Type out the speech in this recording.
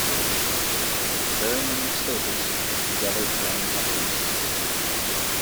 Very many staples together form a fleece.